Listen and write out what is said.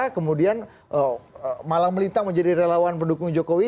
kemudian malang melintang menjadi relawan pendukung jokowi